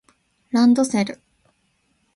ランドセル